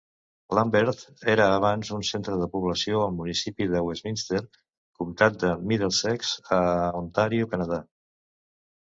Lambeth era abans un centre de població al municipi de Westminster, comtat de Middlesex a Ontario, Canadà.